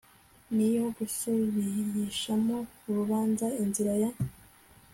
n iyo gusubirishamo urubanza inzira ya